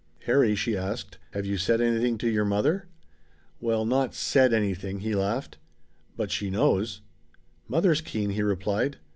"Harry," she asked, "have you said anything to your mother?" "Well, not said anything," he laughed. "But she knows?" "Mother's keen," he replied.